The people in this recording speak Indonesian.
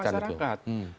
ya menguatkan itu